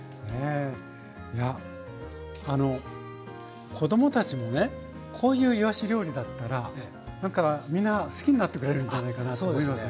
いやあの子どもたちもねこういういわし料理だったら何かみんな好きになってくれるんじゃないかなって思いますね